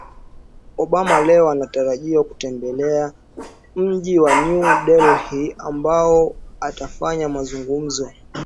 obama leo anatarajiwa kutembelea mji wa new delhi ambao atafanya mazungumzo